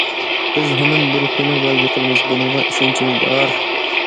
بىز ھامان بىر كۈنى غەلىبە قىلىمىز، بۇنىڭغا ئىشەنچىمىز بار.